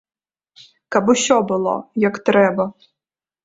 Каб усё было, як трэба.